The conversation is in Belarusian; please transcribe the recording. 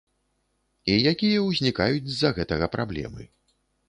І якія ўзнікаюць з-за гэтага праблемы.